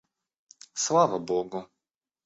Слава Богу!